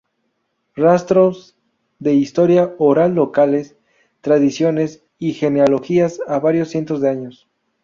Rastros de historia oral locales tradiciones y genealogías a varios cientos de años.